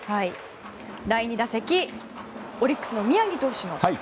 第２打席オリックスの宮城投手の。